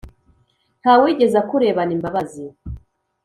Nta wigeze akurebana imbabazi